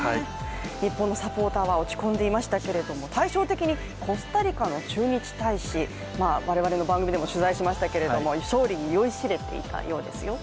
日本のサポーターは落ち込んでいましたけれども、対照的にコスタリカの駐日大使、我々の番組でも取材しましたが勝利に酔いしれていたようですよ。